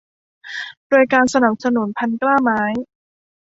โดยการสนับสนุน่พันธุ์กล้าไม้